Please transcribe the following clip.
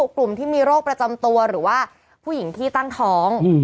กลุ่มที่มีโรคประจำตัวหรือว่าผู้หญิงที่ตั้งท้อง